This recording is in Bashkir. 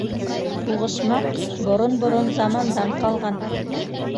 Һуғышмаҡ борон-борон замандан ҡалған.